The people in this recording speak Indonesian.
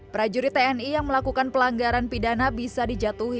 prajurit tni yang melakukan pelanggaran pidana bisa dijatuhi